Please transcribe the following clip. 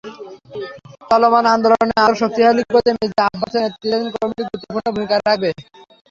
চলমান আন্দোলন আরও শক্তিশালী করতে মির্জা আব্বাসের নেতৃত্বাধীন কমিটি গুরুত্বপূর্ণ ভূমিকা রাখবে।